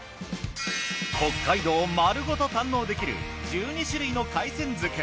北海道をまるごと堪能できる１２種類の海鮮漬。